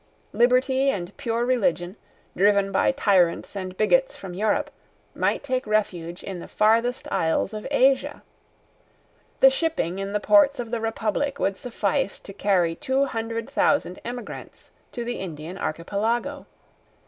Liberty and pure religion, driven by tyrants and bigots from Europe, might take refuge in the farthest isles of Asia. The shipping in the ports of the republic would suffice to carry two hundred thousand emigrants to the Indian Archipelago.